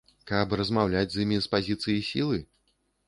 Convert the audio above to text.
Каб размаўляць з імі з пазіцыі сілы?